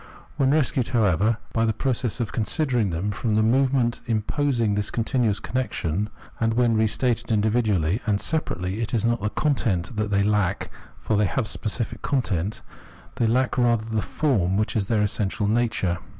When rescued, however, by the process of considering them, from the movement imposing this continuous connection, and when reinstated individually and separately, it is not the content that they lack, for they have a specific content ; they lack rather the form, which is their essential nature.